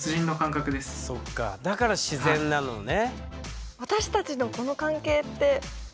だから自然なのね。